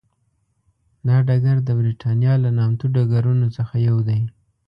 دا ډګر د برېتانیا له نامتو ډګرونو څخه یو دی.